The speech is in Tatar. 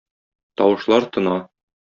Тавышлар тына.